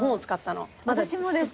私もです。